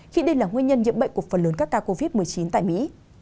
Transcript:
khi đây là nguyên nhân nhiễm bệnh của phần lớn các ca covid một mươi chín tại mỹ